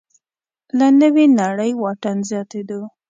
له نوې نړۍ واټن زیاتېدو